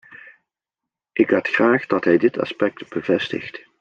Ik had graag dat hij dit aspect bevestigt.